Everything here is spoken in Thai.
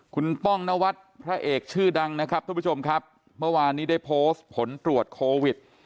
คุณป้องนวัดพระเอกชื่อดังนะครับทุกผู้ชมครับเมื่อวานนี้ได้โพสต์ผลตรวจโควิด